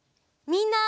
みんな！